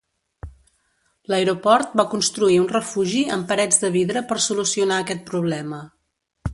L'aeroport va construir un refugi amb parets de vidre per solucionar aquest problema.